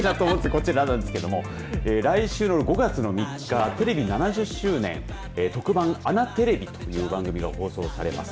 こちらなんですけど来週の５月の３日テレビ７０周年特番アナテレビという番組が放送されます。